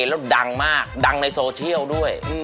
แล้วดังมากดังในโซเชียลด้วย